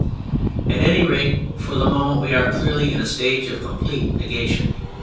At any rate, for the moment we are clearly in a stage of complete negation.